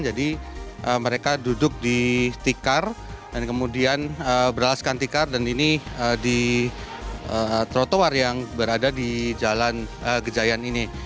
jadi mereka duduk di tikar dan kemudian beralaskan tikar dan ini di trotoar yang berada di jalan gejayan ini